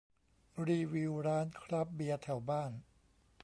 รีวิวร้านคราฟต์เบียร์แถวบ้าน